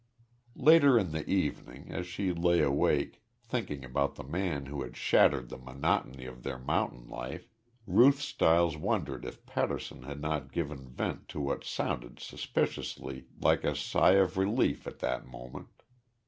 Later in the evening, as she lay awake, thinking about the man who had shattered the monotony of their mountain life, Ruth Stiles wondered if Patterson had not given vent to what sounded suspiciously like a sigh of relief at that moment.